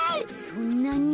そんなに？